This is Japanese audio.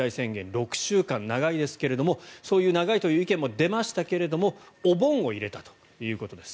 ６週間、長いですけどもそういう長いという意見も出ましたけどお盆を入れたということです。